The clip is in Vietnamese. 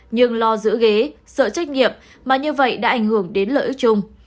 nhưng lo giữ ghế sợ trách nhiệm mà như vậy đã ảnh hưởng đến lợi ích chung